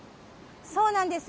そうなんですよ。